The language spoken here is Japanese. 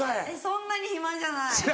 そんなに暇じゃない。